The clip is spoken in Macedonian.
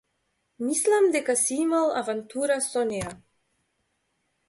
Мислам дека си имал авантура со неа.